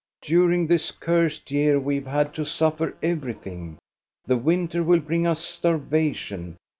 " During this cursed year we have had to suffer everything. The winter will bring us starvation.